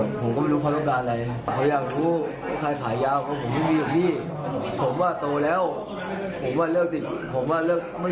นี่เราก็เคยมีประวัติถูกไมแต่เรากลับตัวแล้วเลิกแล้ว